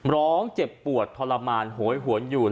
ร้องเจ็บปวดทรมานโหยหวนอยู่